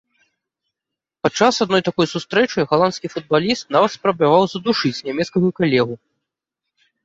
Падчас адной такой сустрэчы галандскі футбаліст нават спрабаваў задушыць нямецкага калегу.